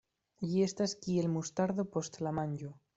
Ĝi estas kiel mustardo post la manĝo.